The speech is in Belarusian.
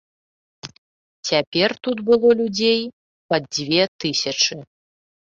Цяпер тут было людзей пад дзве тысячы.